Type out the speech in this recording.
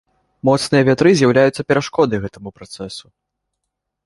Моцныя вятры з'яўляюцца перашкодай гэтаму працэсу.